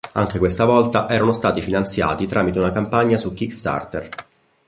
Anche questa volta erano stati finanziati tramite una campagna su Kickstarter.